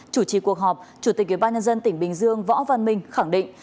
chủ trì cuộc họp chủ tịch ubnd tỉnh bình dương võ văn minh khẳng định